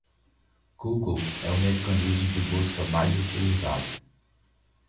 Google é o mecanismo de busca mais utilizado.